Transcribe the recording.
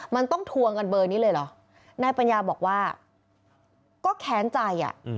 มันต้องทวงกันเบอร์นี้เลยเหรอนายปัญญาบอกว่าก็แค้นใจอ่ะ